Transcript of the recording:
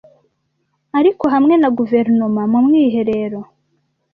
Ariko hamwe na guverinoma mu mwiherero